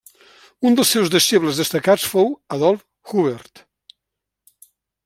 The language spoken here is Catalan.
Un dels seus deixebles destacats fou Adolf Hubert.